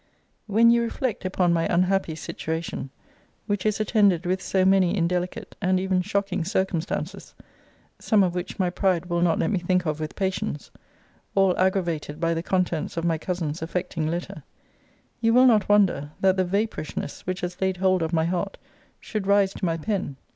When you reflect upon my unhappy situation, which is attended with so many indelicate and even shocking circumstances, some of which my pride will not let me think of with patience; all aggravated by the contents of my cousin's affecting letter; you will not wonder that the vapourishness which has laid hold of my heart should rise to my pen.